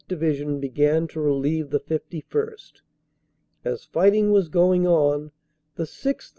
Division began to relieve the 5 1st. As fighting was going on, the 6th.